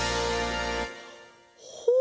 ほう！